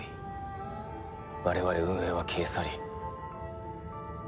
我々運営は消え去り